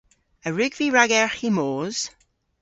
A wrug vy ragerghi moos?